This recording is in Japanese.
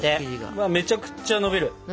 うわめちゃくちゃのびる。